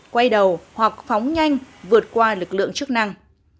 quay đầu hoặc phóng nhanh vượt qua lực lượng chức năng